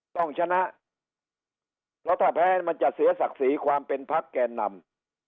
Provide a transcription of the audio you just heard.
ต้องชนะเพราะถ้าแพ้มันจะเสียศักดิ์ศรีความเป็นพักแกนนำ